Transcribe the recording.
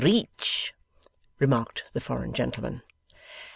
'Reetch,' remarked the foreign gentleman.